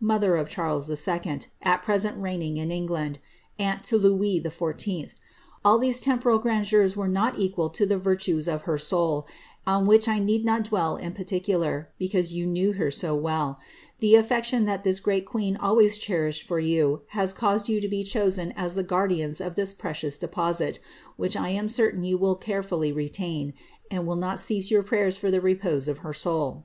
mother of Charles 11., at present reigning in England, aunt to Louis XIV. All these temporal grandeurs were not equal to the virtues of her soul, oo uhich I need not dwell in particular, because you knew her so welL Tlie aflection that this great queen always cherished for you has caused you to be chosen as the guardians of this precious deposit, which I am certain you will carefully retain, and will not cease your prayers for the repose of her soul.'